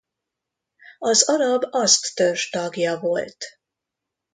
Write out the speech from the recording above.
Az arab Azd-törzs tagja volt.